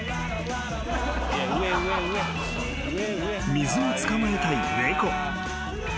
［水を捕まえたい猫］